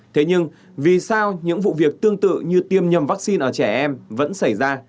thế nhưng vì sao những vụ việc tương tự như tiêm nhầm vaccine ở trẻ em vẫn xảy ra